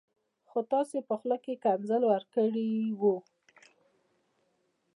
خو تاسي په خوله کي ښکنځل ورکړي و